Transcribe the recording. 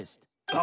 あ！